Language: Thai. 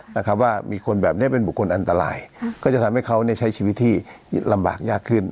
นะครับว่ามีคนแบบนี้เป็นบุคคลอันตรายก็จะทำให้เขาเนี่ยใช้ชีวิตที่ลำบากยากขึ้น